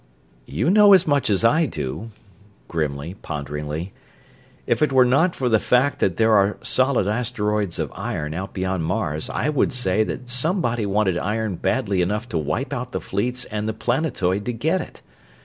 "You know as much as I do," grimly, ponderingly. "If it were not for the fact that there are solid asteroids of iron out beyond Mars, I would say that somebody wanted iron badly enough to wipe out the fleets and the planetoid to get it.